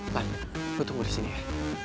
kan gue tunggu di sini ya